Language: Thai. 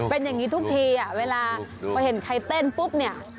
เป็นอย่างนี้ทุกทีอ่ะเวลาพอเห็นใครเต้นปุ๊บเนี่ย